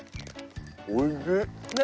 おいしい！